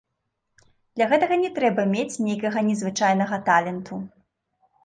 Для гэтага не трэба мець нейкага незвычайнага таленту.